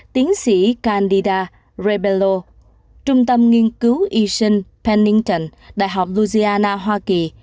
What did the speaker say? tiến sĩ candida rebello trung tâm nghiên cứu eason pennington đại học louisiana hoa kỳ